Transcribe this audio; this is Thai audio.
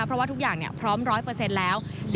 เพราะว่าทุกอย่างพร้อม๑๐๐แล้ว